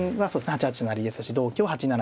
８八飛成ですし同香は８七飛車